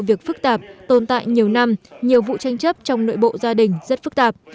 các vụ việc pháp luật rất phức tạp tồn tại nhiều năm nhiều vụ tranh chấp trong nội bộ gia đình rất phức tạp